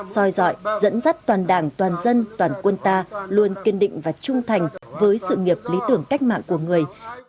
soi dọi dẫn dắt toàn đảng toàn dân toàn quân ta luôn kiên định và trung thành với sự nghiệp lý tưởng cách mạng của người